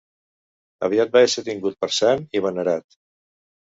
Aviat va ésser tingut per sant i venerat.